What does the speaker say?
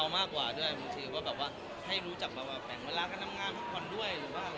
มากกว่าด้วยบางทีให้รู้จักแปลงเวลางานพวกคุณด้วย